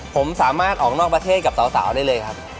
ผมสามารถออกนอกประเทศกับสาวได้เลยครับ